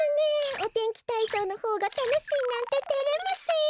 おてんきたいそうのほうがたのしいなんててれますよ。